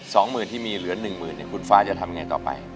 สองหมื่นที่มีเหลือหนึ่งหมื่นเนี่ยคุณฟ้าจะทำยังไงต่อไป